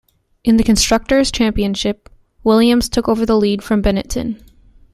In the Constructor's Championship, Williams took over the lead from Benetton.